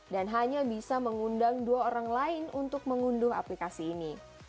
dan hanya bisa mengundang dua orang lain untuk mengunduh aplikasi ini